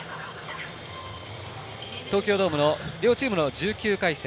東京ドームの両チームの１９回戦。